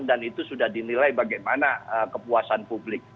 dan itu sudah dinilai bagaimana kepuasan publik